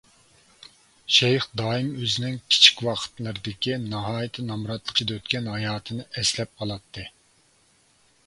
شەيخ دائىم ئۆزىنىڭ كىچىك ۋاقىتلىرىدىكى ناھايىتى نامراتلىق ئىچىدە ئۆتكەن ھاياتىنى ئەسلەپ قالاتتى.